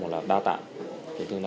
hoặc là đa tạng